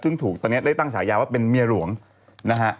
ซึ่งถูกตอนนี้ได้ตั้งฉายาว่าเป็นเมียหลวงนะฮะ